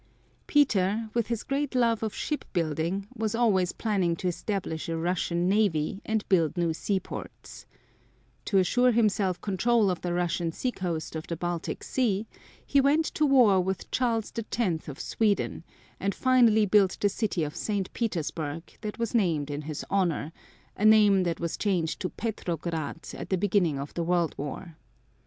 Peter, with his great love of shipbuilding, was always planning to establish a Russian navy and build new seaports. To assure himself control of the Russian seacoast of the Baltic sea he went to war with Charles the Tenth of Sweden, and finally built the city of Saint Petersburg that was named in his honor a name that was changed to Petrograd at the beginning of the World War.